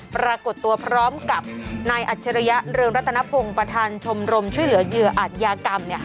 ปรากฏตัวพร้อมกับนายอัจฉริยะเรืองรัตนพงศ์ประธานชมรมช่วยเหลือเหยื่ออาจยากรรม